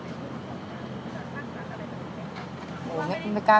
พี่เกิ้ลภารกิจสถานที่เราเป็นผู้ประกอบคุณมากนะครับ